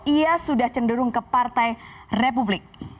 ia sudah cenderung ke partai republik